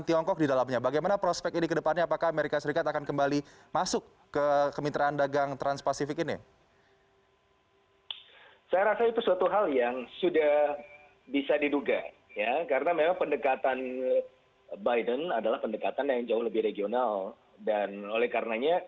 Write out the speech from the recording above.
pertanyaan dari pertanyaan pertanyaan